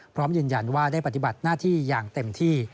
พร้อมยืนยันว่าได้ปฏิบัติหน้าที่อย่างเต็มที่